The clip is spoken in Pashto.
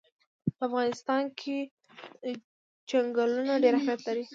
په افغانستان کې چنګلونه ډېر اهمیت لري.